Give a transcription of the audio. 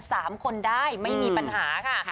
สามคนได้ไม่มีปัญหาค่ะ